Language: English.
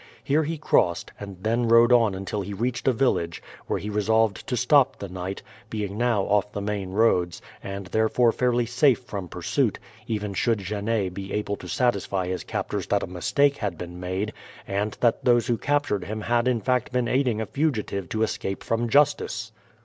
Here he crossed, and then rode on until he reached a village, where he resolved to stop the night, being now off the main roads, and therefore fairly safe from pursuit, even should Genet be able to satisfy his captors that a mistake had been made, and that those who captured him had in fact been aiding a fugitive to escape from justice.